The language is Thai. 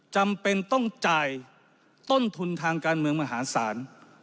จำเป็นต้องจ่ายต้นทุนทางการเมืองมหาศาล